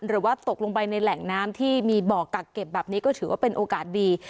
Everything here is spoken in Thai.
หรือว่าตกลงไปในแหล่งน้ำที่มีบ่อกักเก็บแบบนี้ก็ถือว่าเป็นโอกาสดี